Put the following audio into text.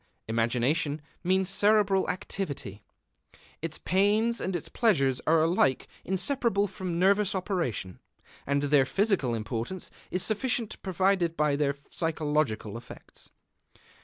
Imagination means cerebral activity: its pains and its pleasures are alike inseparable from nervous operation, and their physical importance is sufficiently proved by their physiological effects.